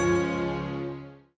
aku mau ke rumah